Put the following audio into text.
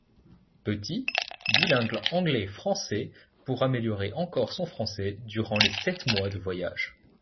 Petit, bilingue anglais-français, pour améliorer encore son français durant les sept mois de voyage.